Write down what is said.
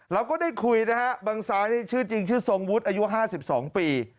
เราก็ได้คุยนะฮะบังซ้ายนี่ชื่อจริงชื่อทรงวุฒิอายุ๕๒ปี